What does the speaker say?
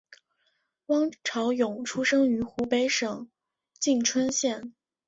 汪潮涌出生于湖北省蕲春县。